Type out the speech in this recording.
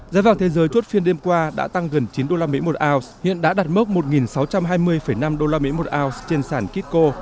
giá vàng thế giới chốt phiên đêm qua đã tăng gần chín usd một ounce hiện đã đạt mốc một sáu trăm hai mươi năm usd một ounce trên sản kitco